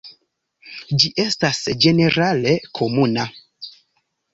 Ĝi estas ĝenerale komuna.